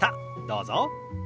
どうぞ。